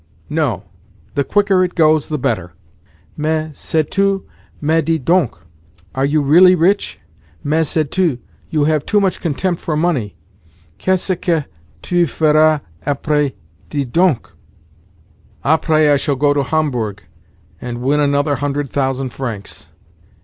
"No. The quicker it goes the better." "Mais—sais tu—mais dis donc, are you really rich? Mais sais tu, you have too much contempt for money. Qu'est ce que tu feras après, dis donc?" "Après I shall go to Homburg, and win another hundred thousand francs."